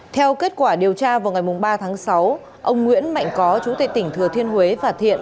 theo kết quả điều tra vào ngày ba tháng sáu ông nguyễn mạnh có chủ tịch tỉnh thừa thiên huế và thiện